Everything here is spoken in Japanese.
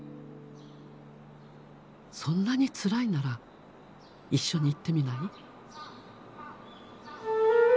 「そんなにつらいなら一緒に行ってみない？」。